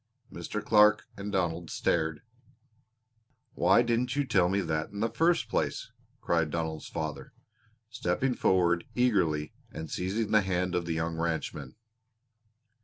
Mr. Clark and Donald stared. "Why didn't you tell me that in the first place?" cried Donald's father, stepping forward eagerly and seizing the hand of the young ranchman.